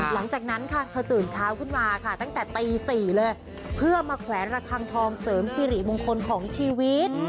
หลังจากนั้นค่ะเธอตื่นเช้าขึ้นมาค่ะตั้งแต่ตี๔เลยเพื่อมาแขวนระคังทองเสริมสิริมงคลของชีวิต